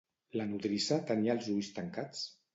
La nodrissa tenia els ulls tancats?